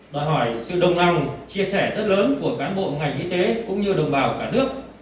đòi hỏi sự đồng lòng chia sẻ rất lớn của cán bộ ngành y tế cũng như đồng bào cả nước